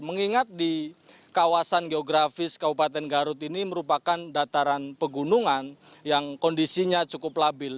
mengingat di kawasan geografis kabupaten garut ini merupakan dataran pegunungan yang kondisinya cukup labil